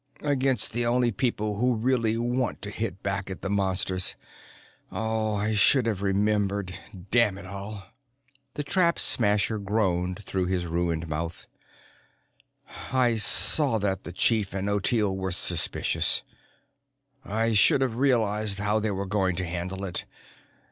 Against the only people who really want to hit back at the Monsters. I should have remembered! Damn it all," the Trap Smasher groaned through his ruined mouth, "I saw that the chief and Ottilie were suspicious. I should have realized how they were going to handle it.